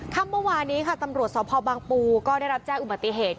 เมื่อวานี้ค่ะตำรวจสพบางปูก็ได้รับแจ้งอุบัติเหตุ